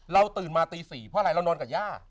ตื่นมาตี๔เพราะอะไรเรานอนกับย่า